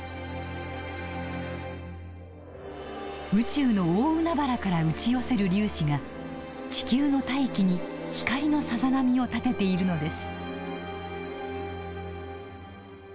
宇宙の大海原から打ち寄せる粒子が地球の大気に光のさざ波をたてているのです